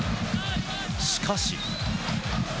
しかし。